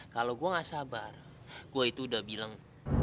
kalo gua gak sabar gua itu udah bilang